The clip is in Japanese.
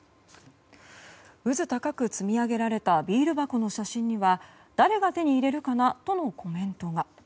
うず高く積み上げられたビール箱の写真には誰が手に入れるかな？とのコメントが。